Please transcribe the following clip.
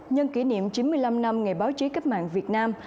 nhân kỷ niệm chín mươi năm năm ngày báo chí cách mạng việt nam